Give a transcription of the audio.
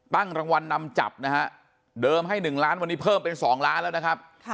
รางวัลนำจับนะฮะเดิมให้๑ล้านวันนี้เพิ่มเป็น๒ล้านแล้วนะครับ